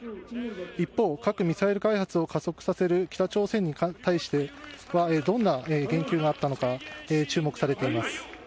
一方、核・ミサイル開発を加速させる北朝鮮に対してはどんな言及があったのか注目されています。